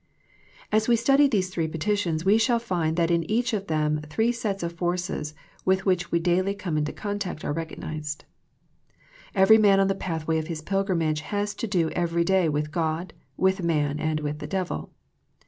As we study these three petitions we shall find that in each of them three sets of forces with which we daily come in contact are recognized. Every man upon the pathway of his pilgrimage has to do every day with God, with man and with the devil.